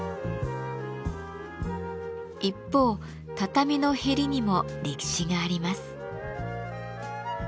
一方畳のへりにも歴史があります。